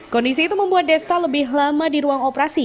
kondisi itu membuat desta lebih lama di ruang operasi